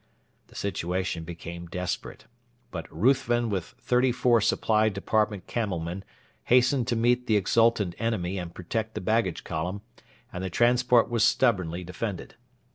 The situation became desperate; but Ruthven with thirty four Supply Department camel men hastened to meet the exultant enemy and protect the baggage column, and the transport was stubbornly defended.